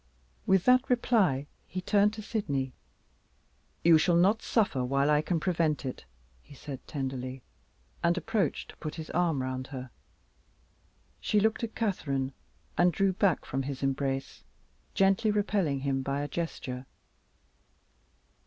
With that reply, he turned to Sydney. "You shall not suffer while I can prevent it," he said tenderly, and approached to put his arm round her. She looked at Catherine, and drew back from his embrace, gently repelling him by a gesture.